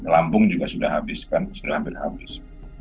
lambung juga sudah habis kan sudah hampir habis